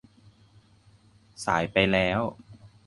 สายไปแล้ว